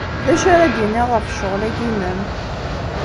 D acu ara d-iniɣ ɣef ccɣel-agi-inem?